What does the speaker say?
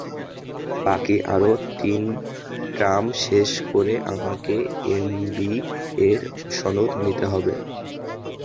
বাকি আরও তিন টার্ম শেষ করে আমাকে এমবিএর সনদ নিতে হবে।